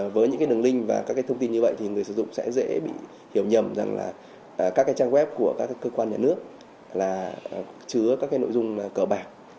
với những đường link và các thông tin như vậy thì người dùng sẽ dễ bị hiểu nhầm rằng là các trang web của các cơ quan nhà nước là chứa các nội dung cờ bạc